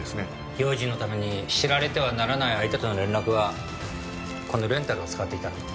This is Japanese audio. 用心のために知られてはならない相手との連絡はこのレンタルを使っていた。